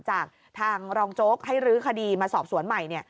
จากทางรองโจ๊กให้รื้อคดีมาสอบสวนใหม่